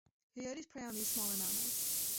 Coyotes prey on these smaller mammals.